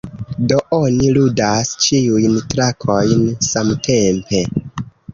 Do oni ludas ĉiujn trakojn samtempe.